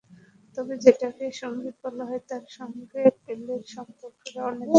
তবে যেটাকে সংগীত বলা হয়, তার সঙ্গে পেলের সম্পর্কটা অনেকটা শখের।